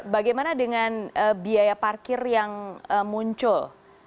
bagaimana dengan biaya parkir yang muncul